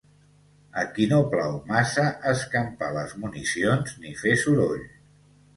a qui no plau massa escampar les municions ni fer soroll